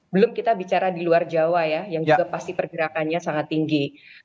belum kita bicara di luar jawa ya yang juga pasti pergerakannya sangat tinggi